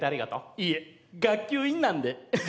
いいえ学級委員なんで。